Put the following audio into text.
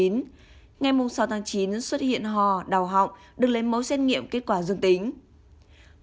ngay mông sáu tháng chín xuất hiện hò đào họng được lấy mẫu xét nghiệm kết quả dương tính